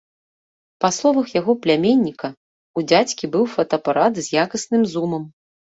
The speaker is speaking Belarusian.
Па словах яго пляменніка, у дзядзькі быў фотаапарат, з якасным зумам.